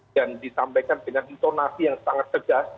dan disampaikan dengan intonasi yang sangat tegas